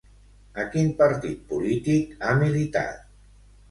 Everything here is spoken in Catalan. A quin partit polític ha militat?